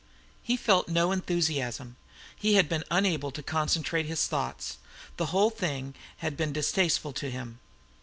He had felt no enthusiasm; he had been unable to concentrate his thoughts; the whole thing had been distasteful to him.